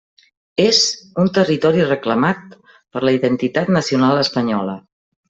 És un territori «reclamat» per la identitat nacional espanyola.